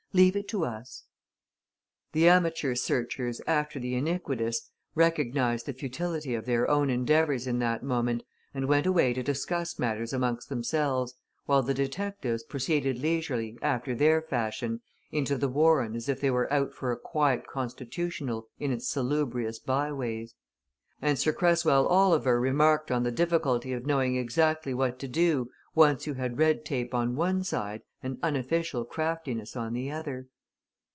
"Leave it to us." The amateur searchers after the iniquitous recognized the futility of their own endeavours in that moment, and went away to discuss matters amongst themselves, while the detectives proceeded leisurely, after their fashion, into the Warren as if they were out for a quiet constitutional in its salubrious byways. And Sir Cresswell Oliver remarked on the difficulty of knowing exactly what to do once you had red tape on one side and unusual craftiness on the other.